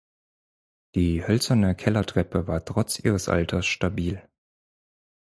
Die hölzerne Kellertreppe war trotz ihres Alters stabil.